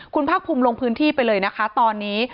คุณภาคภูมิลงพื้นที่ไปเลยนะคะตอนนี้